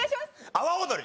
阿波おどり。